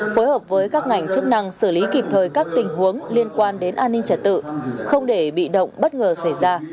phối hợp với các ngành chức năng xử lý kịp thời các tình huống liên quan đến an ninh trật tự không để bị động bất ngờ xảy ra